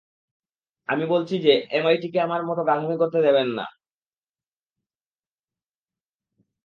আমি বলছি যে, এমআইটিকে আমার মতো গাধামি করতে দেবেন না।